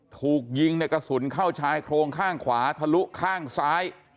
ถูกยิงในกระสุนเข้าชายโครงข้างขวาทะลุข้างซ้าย